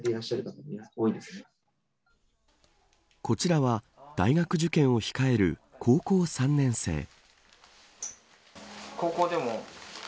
こちらは大学受験を控える高校３年生。